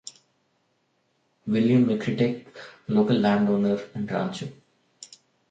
William McKittrick, local landowner and rancher.